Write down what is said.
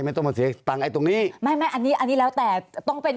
ไม่ต้องมาเสียสตังค์ไอ้ตรงนี้ไม่ไม่อันนี้อันนี้แล้วแต่ต้องเป็น